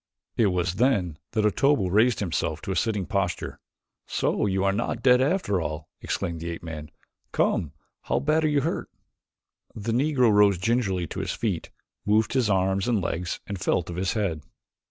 It was then that Otobu raised himself to a sitting posture. "So you are not dead after all," exclaimed the ape man. "Come, how badly are you hurt?" The Negro rose gingerly to his feet, moved his arms and legs and felt of his head.